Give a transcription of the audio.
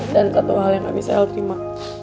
dan satu hal yang gak bisa el terima